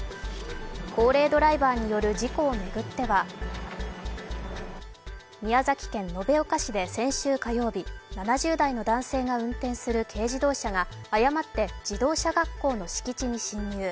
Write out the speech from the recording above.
高齢ドライバーによる事故を巡っては宮崎県延岡市で先週火曜日、７０代の男性が運転する軽自動車が誤って自動車学校の敷地に進入。